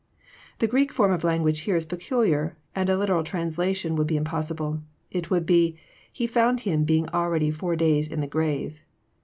'] The Greek form of language here Is peculiar, and a literal translation would be impossible. It would be, He found him being already four days in the grave.